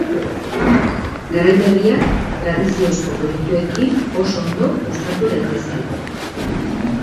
Garai berriak tradiziozko produktuekin oso ondo uztartu daitezke.